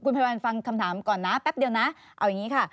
คุณพัยวันฟังคำถามก่อนนะแป๊บเดียวนะ